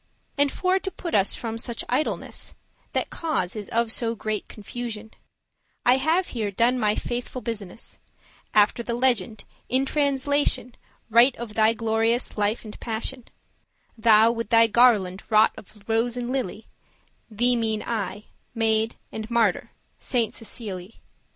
* *labour And, for to put us from such idleness, That cause is of so great confusion, I have here done my faithful business, After the Legend, in translation Right of thy glorious life and passion, — Thou with thy garland wrought of rose and lily, Thee mean I, maid and martyr, Saint Cecilie.